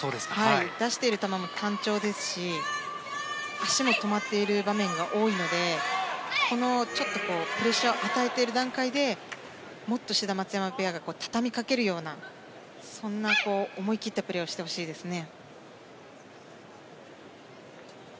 出している球も単調ですし足も止まっている場面が多いのでちょっとプレッシャーを与えている段階でもっと志田・松山ペアが畳みかけるようなそんな思い切ったプレーをしてほしいですね。